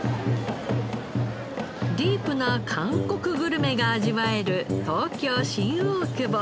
ディープな韓国グルメが味わえる東京新大久保。